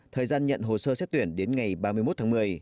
thời gian nhận hồ sơ xét tuyển đến ngày ba mươi một tháng một mươi